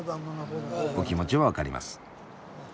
お気持ちはわかります。